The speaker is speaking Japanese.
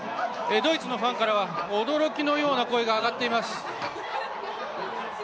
ドイツのファンからは驚きのような声が上がっています。